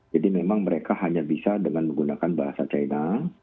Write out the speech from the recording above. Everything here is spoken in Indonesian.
jadi memang mereka hanya bisa dengan menggunakan bahasa china